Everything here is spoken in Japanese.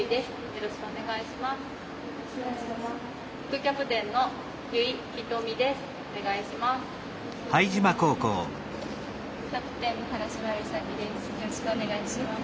よろしくお願いします。